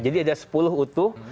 jadi ada sepuluh utuh